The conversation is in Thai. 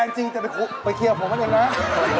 แฟนจริงจะไปเคี่ยวผมกันอีกแล้วนะ